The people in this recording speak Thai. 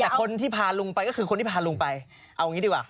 แต่คนที่พาลุงไปก็คือคนที่พาลุงไปเอางี้ดีกว่า